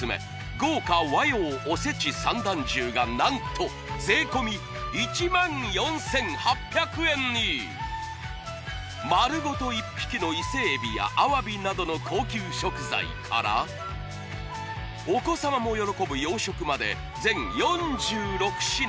豪華和洋おせち三段重が何と丸ごと１匹のイセエビやアワビなどの高級食材からお子様も喜ぶ洋食まで全４６品